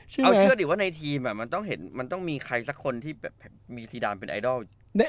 เอาเชื่อดิว่าในทีมมันต้องเห็นมันต้องมีใครสักคนที่แบบมีซีดานเป็นไอดอล